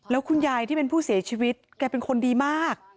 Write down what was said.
แล้วคุณยายที่เป็นผู้เสียชีวิตแกเป็นคนดีมาก